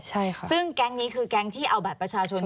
ใช่ค่ะซึ่งแก๊งนี้คือแก๊งที่เอาบัตรประชาชน